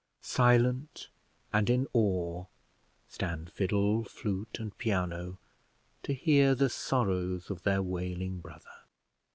Silent, and in awe, stand fiddle, flute, and piano, to hear the sorrows of their wailing brother.